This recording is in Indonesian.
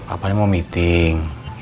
apa ini mau meeting